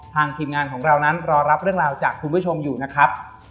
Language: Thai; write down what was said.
ทีมงานของเรานั้นรอรับเรื่องราวจากคุณผู้ชมอยู่นะครับ